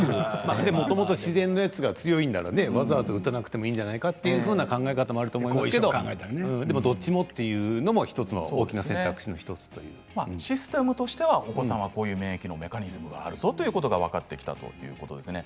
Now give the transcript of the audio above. もともと自然のものが強いなら、わざわざ打たなくてもいいんじゃないかっていう考え方もありますけれどもどっちもというのもシステムとしてはお子さんがこういう免疫のメカニズムがあるということが分かってきたということですね。